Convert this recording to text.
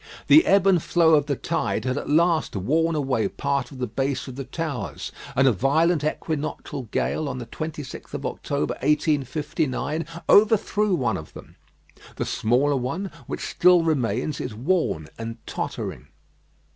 The ebb and flow of the tide had at last worn away part of the base of the towers, and a violent equinoctial gale on the 26th of October, 1859, overthrew one of them. The smaller one, which still remains, is worn and tottering.